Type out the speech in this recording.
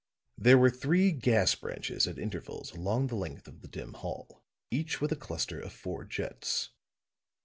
There were three gas branches at intervals along the length of the dim hall, each with a cluster of four jets.